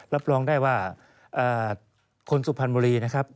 รับรองได้ว่าคนสุพรรณบุรีนะครับ